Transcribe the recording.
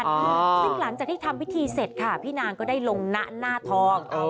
ซึ่งหลังจากที่ทำพิธีเสร็จค่ะพี่นางก็ได้ลงนะหน้าทอง